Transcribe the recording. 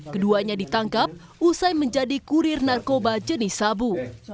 keduanya ditangkap usai menjadi kurir narkoba jenis sabu